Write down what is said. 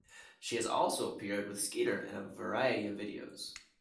She has also appeared with Skeeter in a variety of videos.